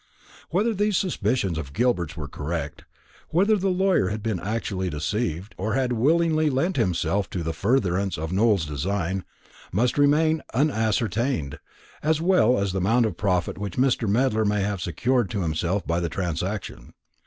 Whether these suspicions of Gilbert's were correct, whether the lawyer had been actually deceived, or had willingly lent himself to the furtherance of Nowell's design, must remain unascertained; as well as the amount of profit which Mr. Medler may have secured to himself by the transaction.